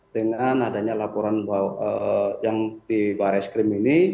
dengan adanya laporan yang di bayar reskrim ini